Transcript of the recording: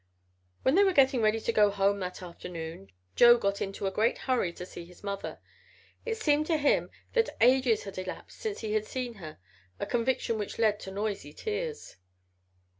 When they were getting ready to go home that afternoon Joe got into a great hurry to see his mother. It seemed to him that ages had elapsed since he had seen her a conviction which led to noisy tears.